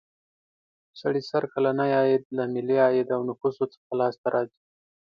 سړي سر کلنی عاید له ملي عاید او نفوسو څخه لاس ته راځي.